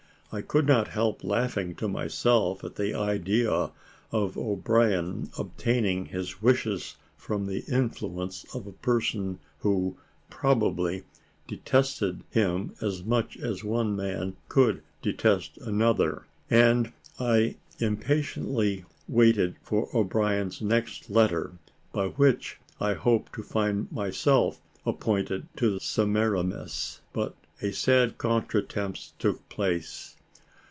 I could not help laughing to myself, at the idea of O'Brien obtaining his wishes from the influence of a person who, probably, detested him as much as one man could detest another; and I impatiently waited for O'Brien's next letter, by which I hoped to find myself appointed to the Semiramis; but a sad contre temps took place.